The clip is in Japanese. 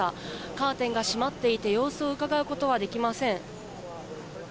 カーテンが閉まっていて様子をうかがうことはできません。